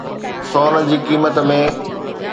سون جي قيمت ۾